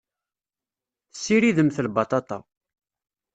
Tessiridemt lbaṭaṭa.